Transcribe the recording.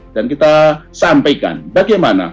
dan kita sampaikan bagaimana